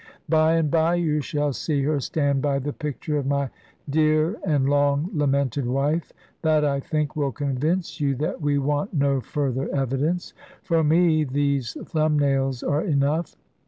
By and by you shall see her stand by the picture of my dear and long lamented wife. That, I think, will convince you that we want no further evidence. For me, these thumb nails are enough.